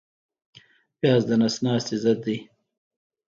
پیاز د نس ناستي ضد دی